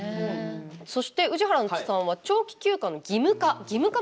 そして、宇治原さんは「長期休暇の義務化」。